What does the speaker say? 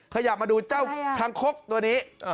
ขยับมาดูเจ้าคางคกตัวนี้